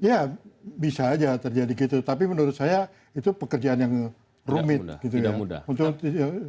ya bisa aja terjadi gitu tapi menurut saya itu pekerjaan yang rumit gitu ya